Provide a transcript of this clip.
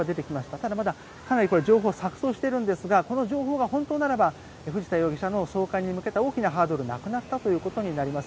ただ、まだかなり情報は錯そうしているんですがこの情報が本当ならば藤田容疑者の送還に向けた大きなハードルはなくなったことになります。